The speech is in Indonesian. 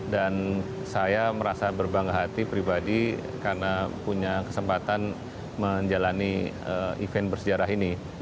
dan saya merasa berbangga hati pribadi karena punya kesempatan menjalani event bersejarah ini